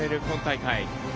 今大会。